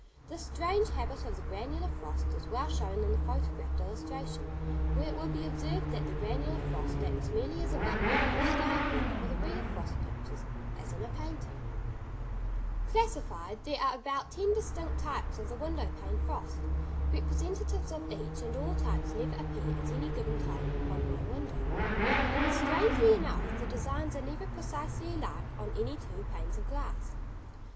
This strange habit of the granular frost is well shown in the photographed illustration, where it will be observed that the granular frost acts merely as a background or sky effect for the real frost pictures, as in a painting. [Illustration: 51. Moss like arrangement of frost] [Illustration: 52. Twin freaks] Classified, there are about ten distinct types of the window pane frost. Representatives of each and all types never appear at any given time upon one window; and strangely enough the designs are never precisely alike on any two panes of glass.